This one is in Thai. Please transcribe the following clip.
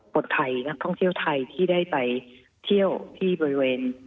คนไทยนักท่องเที่ยวไทยที่ได้ไปเที่ยวที่บริเวณ